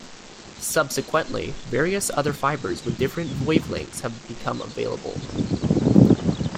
Subsequently, various other fibers with different wavelengths have become available.